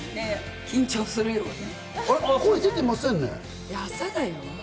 緊張するよね。